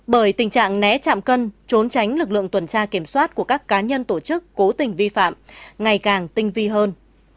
bởi tình trạng né chạm cân trốn tránh lực lượng tuần tra kiểm soát của các cá nhân tổ chức cố tình vi phạm ngày càng tinh vi hơn